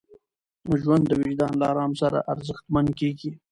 ژوند د وجدان له ارام سره ارزښتمن کېږي.